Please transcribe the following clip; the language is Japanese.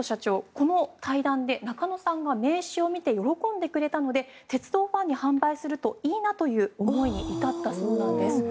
この対談で中野さんが名刺を見て喜んでくれたので鉄道ファンに販売するといいなという思いに至ったそうなんです。